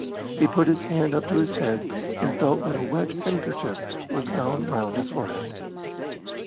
He put his hand up to his head and felt that a wet handkerchief was bound round his forehead.